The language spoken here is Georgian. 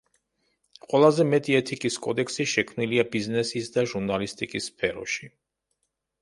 ყველაზე მეტი ეთიკის კოდექსი შექმნილია ბიზნესის და ჟურნალისტიკის სფეროში.